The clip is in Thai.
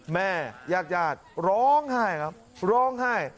แม่ญาติญาติร้องไห้ครับร้องไห้